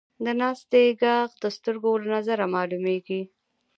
د ناستې ږغ د سترګو له نظره معلومېږي.